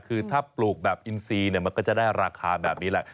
คือถ้าปลูกแบบอินซีเนี่ยมันก็จะได้ราคาแบบนี้แหละ